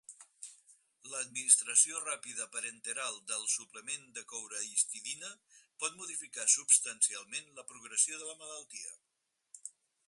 L’administració ràpida parenteral del suplement de coure-histidina pot modificar substancialment la progressió de la malaltia.